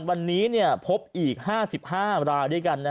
วันนี้พบอีก๕๕รายด้วยกัน